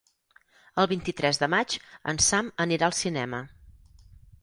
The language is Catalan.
El vint-i-tres de maig en Sam anirà al cinema.